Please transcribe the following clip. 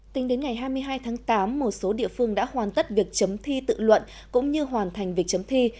tính đến ngày hai mươi hai tháng tám một số địa phương đã hoàn tất việc chấm thi tự luận cũng như hoàn thành việc chấm thi